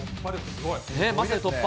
まさに突破。